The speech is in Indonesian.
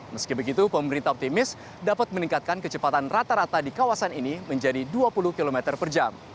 meski begitu pemerintah optimis dapat meningkatkan kecepatan rata rata di kawasan ini menjadi dua puluh km per jam